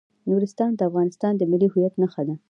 نورستان د افغانستان د ملي هویت نښه ده.